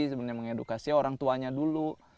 sebenarnya mengedukasi orang tuanya dulu